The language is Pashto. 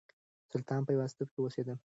سلطان په يوازيتوب کې اوسېده.